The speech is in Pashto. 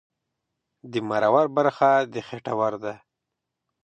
د مرور برخه د خېټور ده